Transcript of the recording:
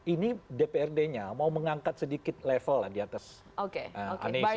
ini dprd nya mau mengangkat sedikit level di atas anies ya kan